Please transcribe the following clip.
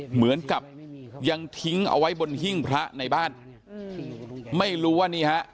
เหมือนกับยังทิ้งเอาไว้บนหิ้งพระในบ้านไม่รู้ว่านี่ฮะ